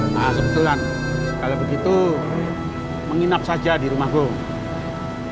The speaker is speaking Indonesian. nah kebetulan kalau begitu menginap saja di rumah gue